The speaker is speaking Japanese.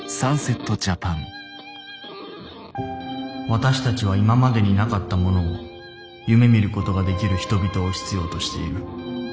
私たちは今までになかったものを夢見ることができる人々を必要としている。